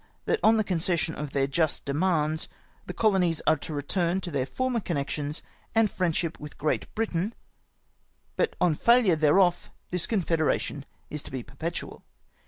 that on the concession of their just demands, " the colonies are to return to tlieir former connections and friendship with Great Britain ; but on failure thereof this Confederation is to be perpetual."